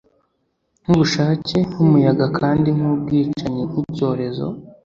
Nkubushake nkumuyaga kandi nkubwicanyi nkicyorezo